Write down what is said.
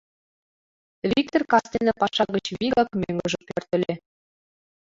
Виктыр кастене паша гыч вигак мӧҥгыжӧ пӧртыльӧ.